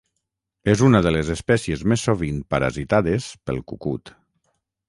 És una de les espècies més sovint parasitades pel cucut.